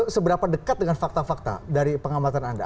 seberapa dekat dengan fakta fakta dari pengamatan anda